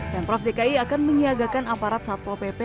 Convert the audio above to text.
pengprov dki akan menyiagakan aparat satpol pp